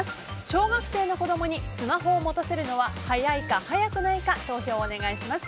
小学生の子供にスマホを持たせるのは早いか早くないか投票をお願いします。